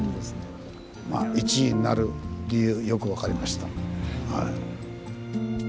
まあ１位になる理由よく分かりました。